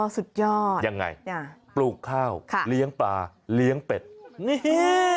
สุดยอดยังไงปลูกข้าวค่ะเลี้ยงปลาเลี้ยงเป็ดนี่